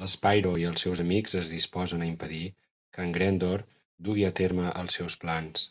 L'Spyro i els seus amics es disposen a impedir que en Grendor dugui a terme els seus plans.